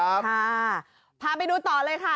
พาไปดูต่อเลยค่ะ